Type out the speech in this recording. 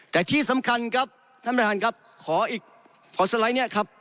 แต่ที่สำคัญครับขออีกข้อสไลก์เนี่ยครับ